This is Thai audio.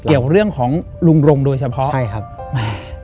เกี่ยวเรื่องของลุงรงโดยเฉพาะ